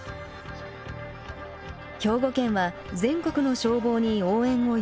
兵庫県は全国の消防に応援を要請。